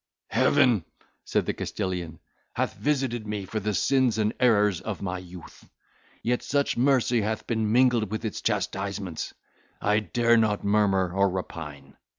"Heaven," said the Castilian, "hath visited me for the sins and errors of my youth; yet, such mercy hath been mingled with its chastisements, I dare not murmur or repine.